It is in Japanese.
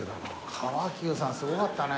川久さんすごかったね。